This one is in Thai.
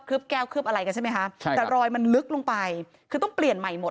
แก้วคืบอะไรกันใช่ไหมคะครับแต่รอยมันลึกลงไปคือต้องเปลี่ยนใหม่หมด